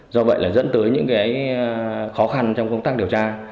do vậy dẫn tới những khó khăn trong công tác điều tra